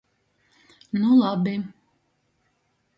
Nu labi!